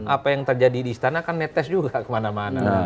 apa yang terjadi di istana kan netes juga kemana mana